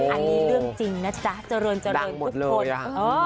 อันนี้เรื่องจริงนะจ๊ะเจริญเจริญทุกคน